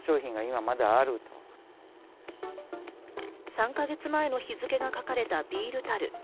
３か月前の日付が書かれたビール樽。